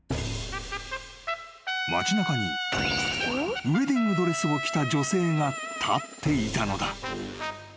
［町なかにウエディングドレスを着た女性が立っていたのだ］